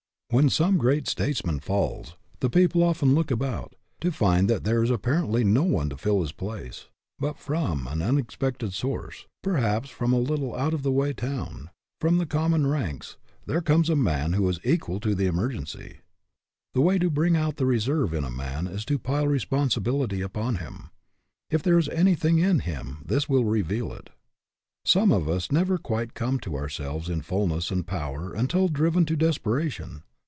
When some great statesman falls, the people often look about, to find that there is appar ently no one to fill his place; but from an unexpected source perhaps from a little out of the way town, from the common ranks there comes a man who is equal to the emergency. The way to bring out the reserve in a man is to pile responsibility upon him. If there is anything in him this will reveal it. Some of us never quite come to ourselves in fullness and power until driven to desper ation.